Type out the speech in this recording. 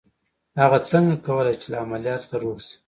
هغه څنګه کولای شي چې له عمليات څخه روغ شي.